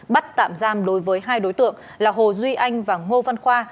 bắt tạm giam đối với hai đối tượng là hồ duy anh và ngô văn khoa